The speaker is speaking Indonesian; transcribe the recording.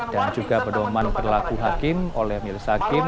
dan juga pedoman berlaku hakim oleh milis hakim